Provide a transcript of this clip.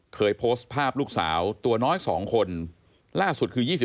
เคยโพสต์ภาพลูกสาวตัวน้อย๒คนล่าสุดคือ๒๕